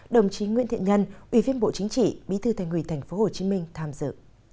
đồng chí nguyễn thiện nhân ủy viên bộ chính trị bí thư thành ủy tp hcm tham dự